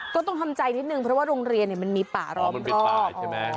ก็ต้องทำใจนิดหนึ่งเพราะว่าโรงเรียนมีป่าร้อมรอก